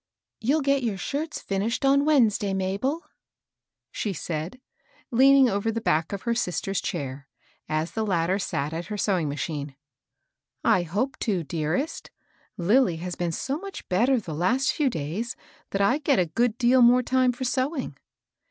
" You'll get your shirts finished on Wednesday, Mabel ?" she said, leaning over the back of her sister's chair, as the latter sat at her sewing ma chine. " I hope to, dearest. Lilly has been so much better the last few days that I get a good deal more time for sewing."